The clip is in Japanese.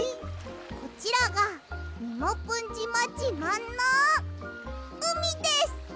こちらがみもぷんじまじまんのうみです！